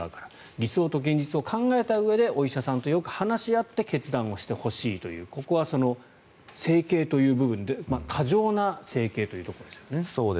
理想と現実を考えたうえでお医者さんとよく話し合って決断をしてほしいというここは整形という部分で過剰な整形というところですよね。